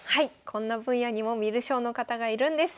こんな分野にも観る将の方がいるんです。